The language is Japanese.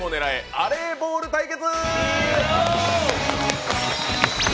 アレーボール対決」。